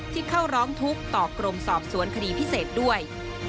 ที่เข้าร้องทุกข์ต่อกรมสอบสวนคดีพิเศษด้วย